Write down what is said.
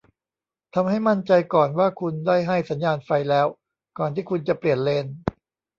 ทำให้มั่นใจก่อนว่าคุณได้ให้สัญญาณไฟแล้วก่อนที่คุณจะเปลี่ยนเลน